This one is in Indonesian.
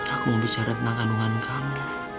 aku mau bicara tentang kandungan kami